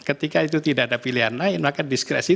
ketika itu tidak ada pilihan lain maka diskresi